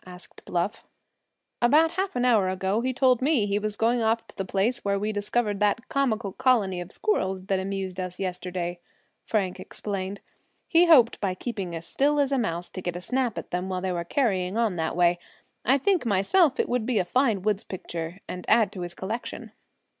asked Bluff, "About half an hour ago he told me he was going off to the place where we discovered that comical colony of squirrels that amused us yesterday," Frank explained. "He hoped by keeping as still as a mouse to get a snap at them when they were carrying on that way. I think myself it would be a fine woods picture, and add to his collection."